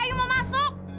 ayu mau masuk